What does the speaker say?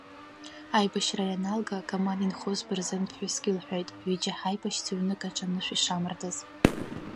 Аибашьра ианалга, Каман инхоз бырзен ԥҳәыск илҳәеит ҩыџьа ҳаибашьцәа ҩнык аҿы анышә ишамардаз.